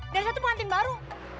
dan saya tuh pengantin baru